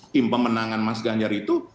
tim pemenangan mas ganjar itu